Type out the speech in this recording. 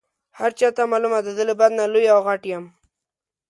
هر چاته معلومه ده زه له بدنه لوی او غټ یم.